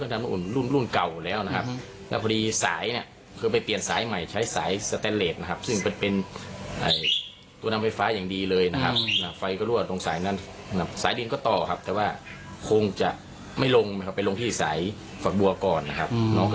แต่เสียชีวิตเพราะสายตัวนี้ลวดลงสายตัวนี้นะครับ